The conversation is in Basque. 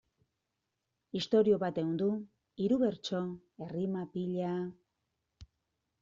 Istorio bat ehundu, hiru bertso, errima pila...